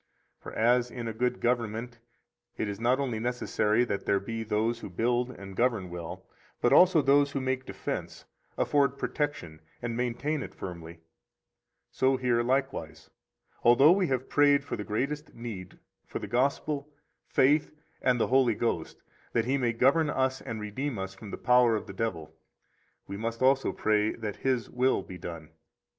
61 For as in a good government it is not only necessary that there be those who build and govern well, but also those who make defense, afford protection and maintain it firmly, so here likewise, although we have prayed for the greatest need, for the Gospel, faith, and the Holy Ghost, that He may govern us and redeem us from the power of the devil, we must also pray that His will be done.